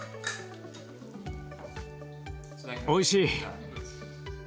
おいしい。